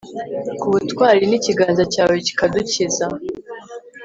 k'ubutwari, n'ikiganza cyawe kikadukiza